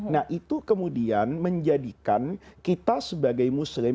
nah itu kemudian menjadikan kita sebagai muslim